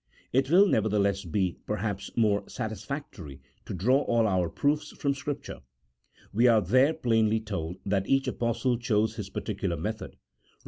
It will nevertheless be, perhaps, more satisfactory to draw all our proofs from Scripture ; we are there plainly told that each Apostle chose his particular method (Rom.